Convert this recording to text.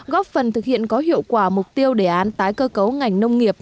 góp phần thực hiện có hiệu quả mục tiêu đề án tái cơ cấu ngành nông nghiệp